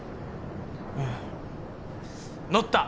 うん乗った！